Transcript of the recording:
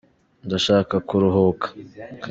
Ndashaka ku ruhuka.